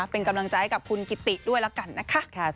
เป็นกำลังใจให้กับคุณกิติด้วยแล้วกันนะคะ